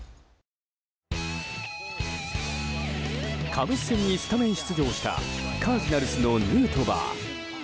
カブス戦にスタメン出場したカージナルスのヌートバー。